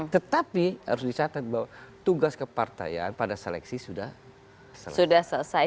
tetapi harus dicatat bahwa tugas kepartaian pada seleksi sudah selesai